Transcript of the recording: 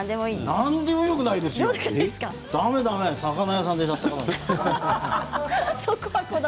何でもよくはないですよだめだめ魚屋さんで買ったもの。